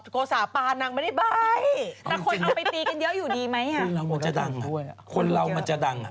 คนเราจะดังคนเราจะดัง